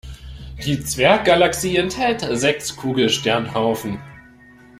Die Zwerggalaxie enthält sechs Kugelsternhaufen.